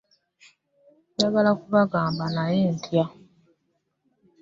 Njagala kubagamba naye nkyatya.